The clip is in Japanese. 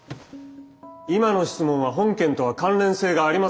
今の質問は本件とは関連性がありません。